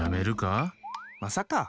まさか！